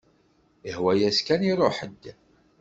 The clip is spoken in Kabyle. Ihwa-yas kan iruḥ-d.